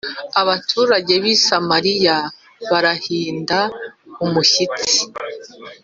Abaturage b’i Samariya barahinda umushyitsi